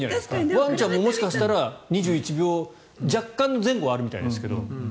ワンちゃんももしかしたら２１秒若干前後はあるみたいですけど。